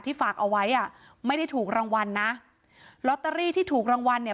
ฝากเอาไว้อ่ะไม่ได้ถูกรางวัลนะลอตเตอรี่ที่ถูกรางวัลเนี่ย